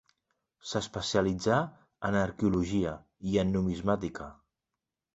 S'especialitzà en arqueologia i en numismàtica.